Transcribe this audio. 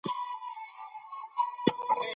د ویروسونو په اړه د اکسفورډ پوهنتون خبره د پام وړ ده.